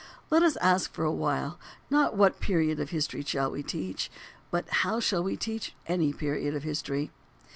Let us ask for a while, not what period of history shall we teach? but, how shall we teach any period of history?